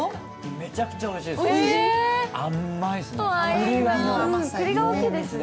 めちゃくちゃおいしいです、甘いですね。